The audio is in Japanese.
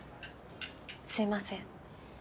すいません。